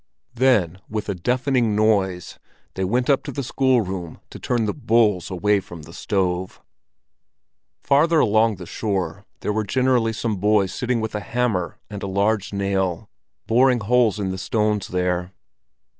Then with, a deafening noise they went up to the schoolroom to turn the "bulls" away from the stove. Farther along the shore, there were generally some boys sitting with a hammer and a large nail, boring holes in the stones there.